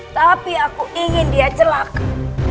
tapi aku ingin dia celaka